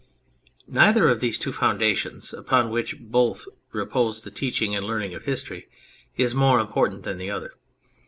Neither of these two foundations, upon which repose both the teaching and the learning of history, is more important than the other.